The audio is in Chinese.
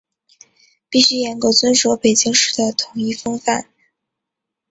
必须严格遵守北京市的统一规范